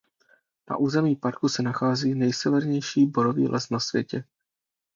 Na území parku se nachází nejsevernější borový les na světě.